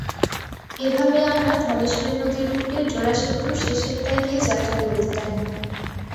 এভাবেই আমরা ধলেশ্বরী নদীর বুকের জোড়া সেতুর শেষেরটায় গিয়ে যাত্রাবিরতি টানি।